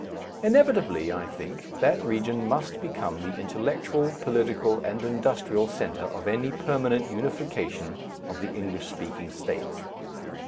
Inevitably, I think, that region must become the intellectual, political, and industrial centre of any permanent unification of the English speaking states.